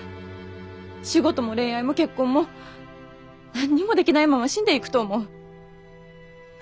仕事も恋愛も結婚も何にもできないまま死んでいくと思う。